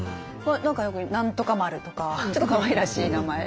よく「何とか丸」とかちょっとかわいらしい名前。